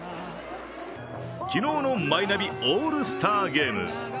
昨日のマイナビオールスターゲーム。